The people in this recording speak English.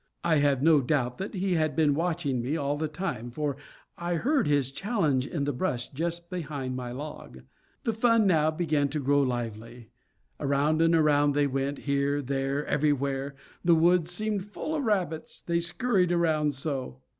I have no doubt that he had been watching me all the time, for I heard his challenge in the brush just behind my log. The fun now began to grow lively. Around and around they went, here, there, everywhere, the woods seemed full of rabbits, they scurried around so.